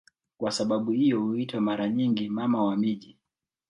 Kwa sababu hiyo huitwa mara nyingi "Mama wa miji".